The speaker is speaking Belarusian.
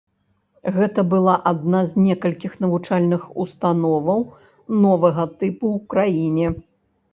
Гэта была адна з некалькіх навучальных установаў новага тыпу ў краіне.